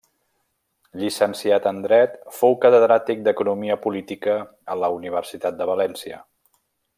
Llicenciat en dret, fou catedràtic d'economia política a la Universitat de València.